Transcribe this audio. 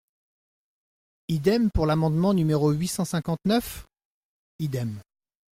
Idem pour l’amendement numéro huit cent cinquante-neuf ? Idem.